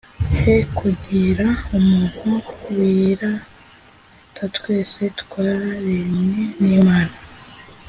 he kugira umuntu wiratatwese twaremwe n’imana